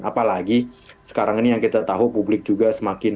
apalagi sekarang ini yang kita tahu publik juga semakin apa bisa dibilang